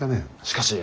しかし。